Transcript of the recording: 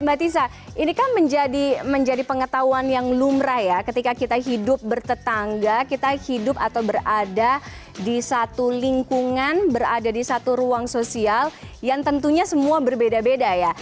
mbak tisa ini kan menjadi pengetahuan yang lumrah ya ketika kita hidup bertetangga kita hidup atau berada di satu lingkungan berada di satu ruang sosial yang tentunya semua berbeda beda ya